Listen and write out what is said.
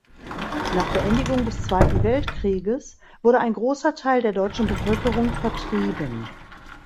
Nach Beendigung des Zweiten Weltkrieges wurde ein großer Teil der deutschen Bevölkerung vertrieben.